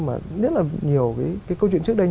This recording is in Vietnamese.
mà rất là nhiều cái câu chuyện trước đây